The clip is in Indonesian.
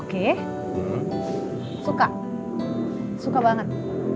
oke suka suka banget